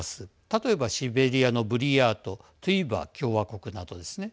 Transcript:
例えば、シベリアのブリヤートトゥヴァ共和国などですね。